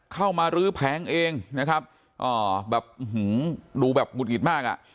เข้ามารื้อแผงเองอ๋อแบบหื้อหื้อดูแบบมุดงิดมาก